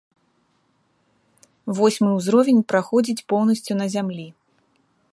Восьмы ўзровень праходзіць поўнасцю на зямлі.